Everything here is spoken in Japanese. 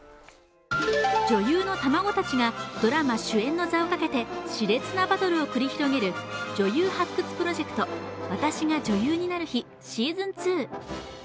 女優の卵たちがドラマ主演の座をかけてしれつなバトルを繰り広げる女優発掘プロジェクト、『私が女優になる日＿』